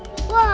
wah parah dia